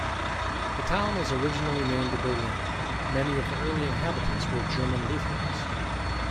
The town was originally named Berlin; many of the early inhabitants were German Lutherans.